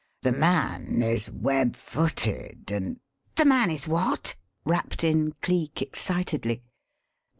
The man is web footed and " "The man is what?" rapped in Cleek excitedly.